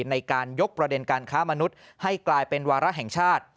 ในการยกประเด็นการค้ามนุษย์ให้กลายเป็นวาระแห่งชาติ